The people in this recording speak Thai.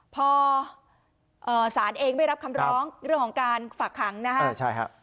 พอสารเองไม่รับคำร้องเรื่องของการฝากขังนะฮะ